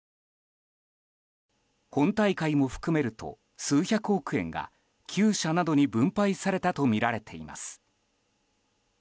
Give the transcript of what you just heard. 本大会も含めると数百億円が９社などに分配されたとみられています。